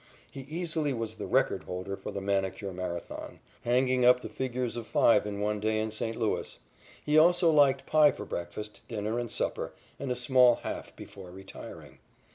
He easily was the record holder for the manicure Marathon, hanging up the figures of five in one day in St. Louis. He also liked pie for breakfast, dinner and supper, and a small half before retiring.